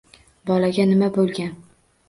Bolaga nima bo‘lgan